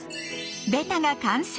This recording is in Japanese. ベタが完成。